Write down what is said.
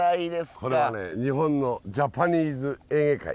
これはね日本のジャパニーズエーゲ海。